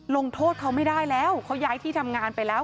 ลงโทษเขาไม่ได้แล้วเขาย้ายที่ทำงานไปแล้ว